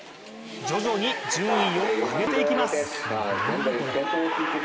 徐々に順位を上げていきます。